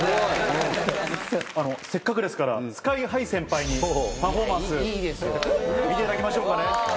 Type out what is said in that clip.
せっかくですからＳＫＹ−ＨＩ先輩にパフォーマンス見ていただきましょうか。